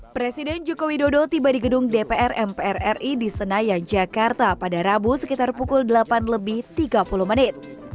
presiden joko widodo tiba di gedung dpr mpr ri di senayan jakarta pada rabu sekitar pukul delapan lebih tiga puluh menit